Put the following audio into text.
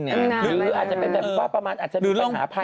ทึ่งน้ำนั่น